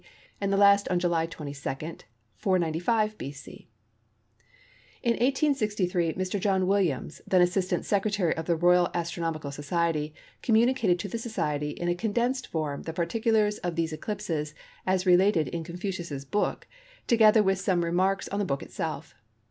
and the last on July 22, 495 B.C." In 1863 Mr. John Williams, then Assistant Secretary of the Royal Astronomical Society, communicated to the Society in a condensed form the particulars of these eclipses as related in Confucius's book, together with some remarks on the book itself.